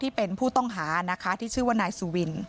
พี่น้องของผู้เสียหายแล้วเสร็จแล้วมีการของผู้เสียหาย